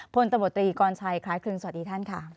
พลตมติกรณ์ชัยคล้ายคืนสวัสดีท่านค่ะ